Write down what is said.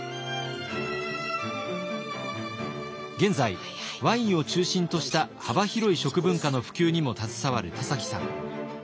現在ワインを中心とした幅広い食文化の普及にも携わる田崎さん。